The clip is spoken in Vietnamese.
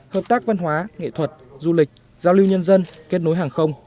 hợp tác văn hóa nghệ thuật du lịch giao lưu nhân dân kết nối hàng không